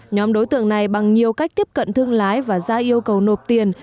nhóm đối tượng này bằng nhiều cách tiếp cận thương lái và ra yêu cầu nộp tiền